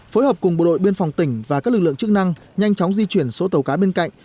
phối hợp cùng bộ đội biên phòng tỉnh và các lực lượng chức năng nhanh chóng di chuyển số tàu cá bên cạnh